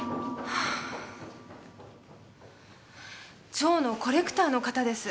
蝶のコレクターの方です。